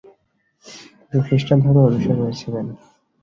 তিনি খৃষ্টান ধর্মের অনুসারী ছিলেন।